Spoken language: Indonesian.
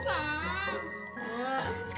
enggak enggak enggak